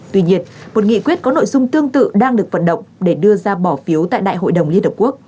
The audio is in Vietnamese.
tuy nhiên một nghị quyết có nội dung tương tự đang được vận động để đưa ra bỏ phiếu tại đại hội đồng liên hợp quốc